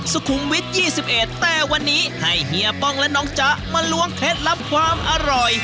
สุขุมวิทยี่สิบเอ็ดแต่วันนี้ให้เฮียป้องและน้องจ๋ามาลวงเคล็ดลำความอร่อย